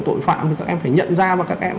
tội phạm thì các em phải nhận ra và các em